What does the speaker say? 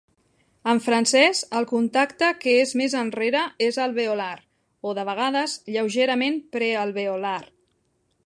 En francès, el contacte que és més enrere és alveolar o, de vegades, lleugerament prealveolar.